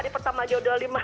di pertama jodoh lima